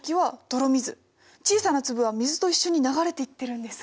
小さな粒は水と一緒に流れていってるんです。